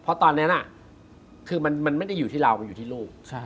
เพราะตอนนั้นคือมันไม่ได้อยู่ที่เรามันอยู่ที่ลูก